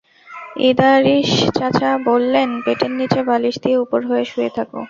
ইদারিস চাচা বললেন, পেটের নিচে বালিশ দিয়ে উপুড় হয়ে শুয়ে থােক।